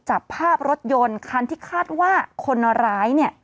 จับภาพรถยนต์คันที่คาดว่าคนร้ายเนี่ย